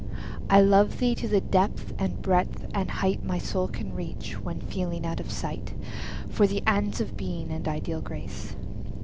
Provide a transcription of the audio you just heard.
I love thee to the depth and breadth and height My soul can reach, when feeling out of sight For the ends of Being and ideal Grace.